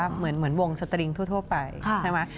เหมือนวงสตริงทั่วไปใช่ไหม